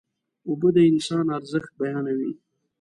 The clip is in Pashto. اوبه د انسان ارزښت بیانوي.